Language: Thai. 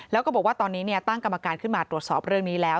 แล้วก็บอกว่าตอนนี้ตั้งกรรมการขึ้นมาตรวจสอบเรื่องนี้แล้ว